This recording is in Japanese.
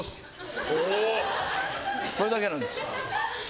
これだけなんです。